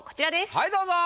はいどうぞ。